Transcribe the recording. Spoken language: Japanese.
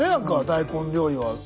大根料理は。